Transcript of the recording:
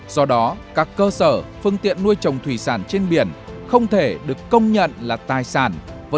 do đó các cơ sở phương tiện nuôi trồng thủy sản trên biển không thể được công nhận là tài sản